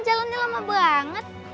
jalannya lama banget